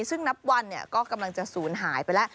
ซึ่งนับวันก็กำลังจะศูนย์หายไปแล้ว